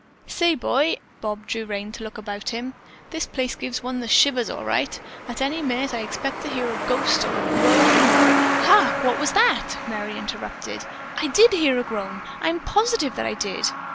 "Say, boy!" Bob drew rein to look about him. "This places gives one the shivers, all right! At any minute I expect to hear a ghost groan or " "Hark! What was that?" Merry interrupted. "I did hear a groan! I am positive that I did."